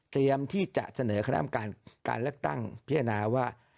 เตรียมที่จะเสนอคณะอำนวงประกอบการเลือกตั้งพิจารณาว่า